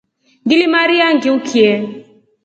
Ngilimarya ngiukye.